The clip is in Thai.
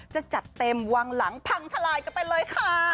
จะจัดเต็มวางหลังพังทลายกันไปเลยค่ะ